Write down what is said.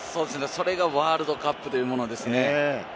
それがワールドカップというものですね。